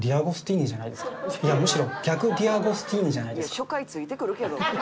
「いや初回付いてくるけど」